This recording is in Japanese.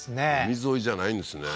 海沿いじゃないんですね